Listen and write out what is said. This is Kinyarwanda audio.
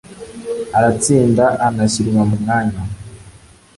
aratsinda anashyirwa mu mwanya